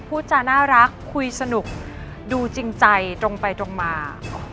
พูดจาน่ารักคุยสนุกดูจริงใจตรงไปตรงมา